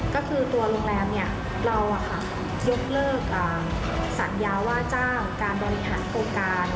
ก็คือตัวโรงแรมเรายกเลิกสัญญาว่าจ้างการบริหารโครงการ